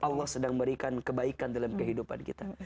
allah sedang memberikan kebaikan dalam kehidupan kita